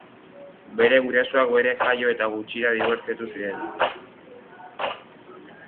Bere gurasoak bera jaio eta gutxira dibortziatu ziren.